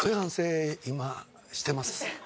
今してます。